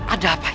ada apa ini